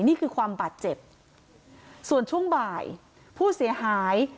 นี่คือความบาดเจ็บส่วนช่วงบ่ายผู้เสียหาย